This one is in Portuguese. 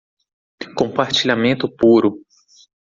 Compartilhamento puro